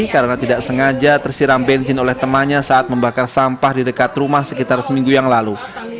karena tidak sengaja tersiram bensin oleh temannya saat membakar sampah di dekat rumah sekitar seminggu yang lalu